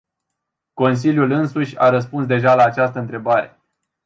Consiliul însuși a răspuns deja la această întrebare.